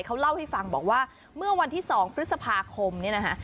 เขาเล่าให้ฟังบอกว่าเมื่อวันที่๒พฤษภาคมเนี่ยนะคะ